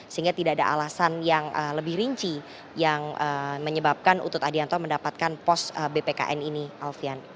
sehingga tidak ada alasan yang lebih rinci yang menyebabkan utut adianto mendapatkan pos bpkn ini alfian